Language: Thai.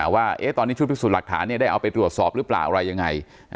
ว่าตอนนี้ชุดพิสูจน์หลักฐานได้เอาไปตรวจสอบหรือเปล่าอะไรยังไง